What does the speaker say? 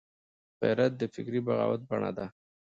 غیرت د فکري بغاوت بڼه ده